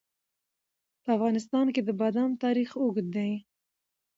په افغانستان کې د بادام تاریخ اوږد دی.